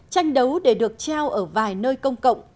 tranh đấu để được treo ở vài nơi công cộng